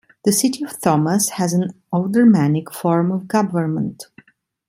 The city of Thomas has an aldermanic form of government.